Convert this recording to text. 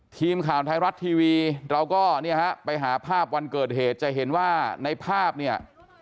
ทีมข่าวไทยรัฐทีวีเราก็เนี่ยฮะไปหาภาพวันเกิดเหตุจะเห็นว่าในภาพเนี่ย